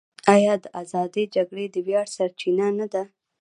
آیا د ازادۍ جګړې د ویاړ سرچینه نه ده؟